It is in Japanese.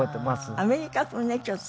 アメリカ風ねちょっと。